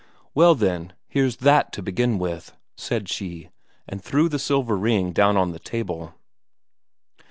"Well, then, here's that to begin with," said she, and threw down the silver ring on the table.